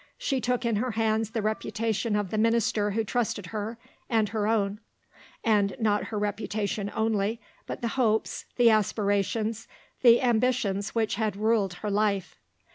She took in her hands the reputation of the Minister who trusted her, and her own; and not her reputation only, but the hopes, the aspirations, the ambitions which had ruled her life.